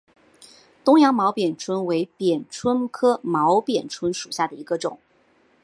东洋毛扁蝽为扁蝽科毛扁蝽属下的一个种。